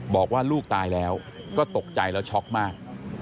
บอกว่าลูกตายแล้วก็ตกใจแล้วช็อกมาก